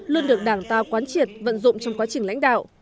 luôn được đảng ta quán triệt vận dụng trong quá trình lãnh đạo